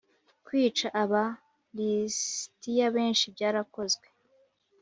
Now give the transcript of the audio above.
kwica Aba lisitiya benshi byarakozwe